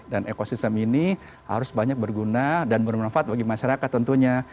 dan ekosistem ini harus banyak berguna dan bermanfaat bagi masyarakat tentunya